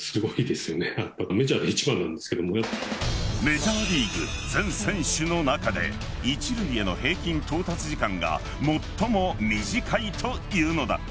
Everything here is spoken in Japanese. メジャーリーグ全選手の中で一塁への平均到達時間が最も短いというのだ。